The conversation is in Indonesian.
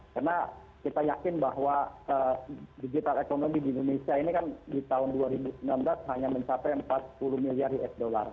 karena kita yakin bahwa digital ekonomi di indonesia ini kan di tahun dua ribu sembilan belas hanya mencapai empat puluh miliar usd